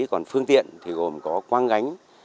còn phương tiện thì gồm có quang gánh